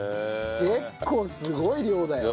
結構すごい量だよ。